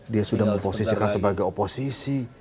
dia sudah memposisikan sebagai oposisi